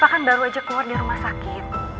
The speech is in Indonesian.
papa kan baru aja keluar dari rumah sakit